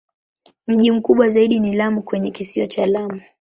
Mji mkubwa zaidi ni Lamu kwenye Kisiwa cha Lamu.